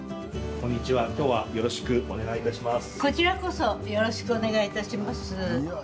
こちらこそよろしくお願いいたします。